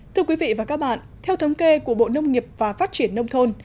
thưa quý vị và các bạn theo thống kê của bộ nông nghiệp và phát triển nông thôn